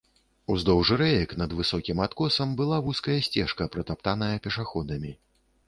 Уздоўж рэек, над высокім адкосам, была вузкая сцежка, пратаптаная пешаходамі.